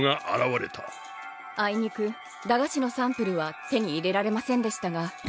あいにく駄菓子のサンプルは手に入れられませんでしたが。